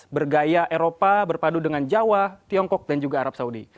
bergaya eropa berpadu dengan jawa tiongkok dan juga arab saudi